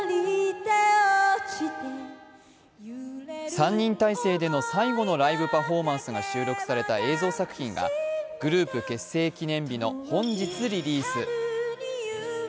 ３人体制での最後のライブパフォーマンスが収録された映像作品がグループ結成記念日の本日リリース。